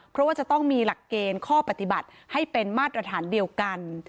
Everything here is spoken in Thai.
เพราะว่าจะต้องมีหลักเกณฑ์ข้อปฏิบัติให้เป็นมาตรฐานเดียวกัน